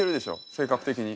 性格的に。